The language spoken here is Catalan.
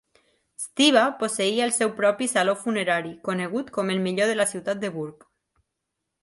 Stiva posseïa el seu propi saló funerari, conegut com el millor de la ciutat de Burg.